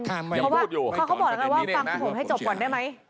เขาบอกแล้วกันว่าฟังผมให้จบก่อนได้ไหม